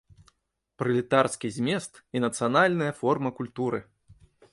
Пралетарскі змест і нацыянальная форма культуры!